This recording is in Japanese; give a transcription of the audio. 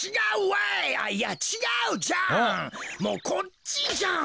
もうこっちじゃん！